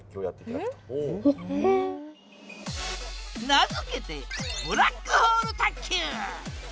名付けてブラックホール卓球！